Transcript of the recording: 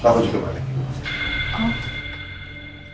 aku juga balik